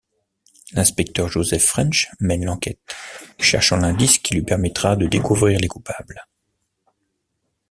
L'inspecteur Joseph French mène l'enquête cherchant l'indice qui lui permettra de découvrir les coupables.